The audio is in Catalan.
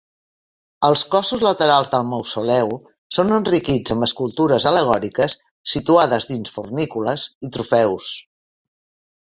Els cossos laterals del mausoleu són enriquits amb escultures al·legòriques, situades dins fornícules, i trofeus.